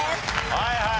はいはい。